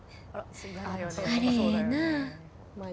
あれ、ええなあ。